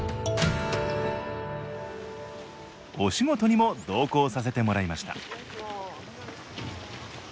お仕事にも同行させてもらいました